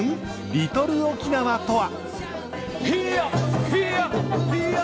「リトル沖縄」とは？